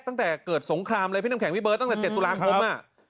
ตั้งแต่เกิดสงครามเลยพี่น้ำแข็งพี่เบิร์ตตั้งแต่๗ตุลาคม